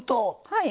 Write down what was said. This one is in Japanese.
はい。